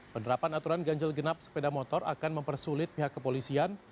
penerapan aturan ganjil genap sepeda motor akan mempersulit pihak kepolisian